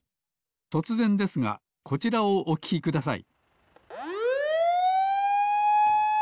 とつぜんですがこちらをおききください。